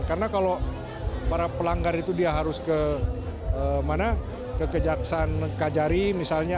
karena kalau para pelanggar itu dia harus ke kejaksaan kajari misalnya